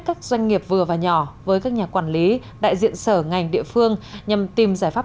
các doanh nghiệp vừa và nhỏ với các nhà quản lý đại diện sở ngành địa phương nhằm tìm giải pháp